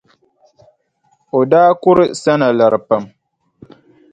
O daa kuri Sana lari pam.